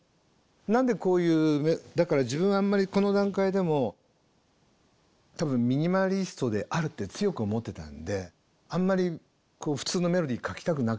なんでこういうだから自分はあんまりこの段階でも多分ミニマリストであるって強く思ってたんであんまり普通のメロディー書きたくなかった。